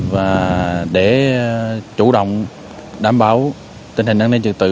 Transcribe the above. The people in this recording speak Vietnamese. và để chủ động đảm bảo tình hình năng năng trực tự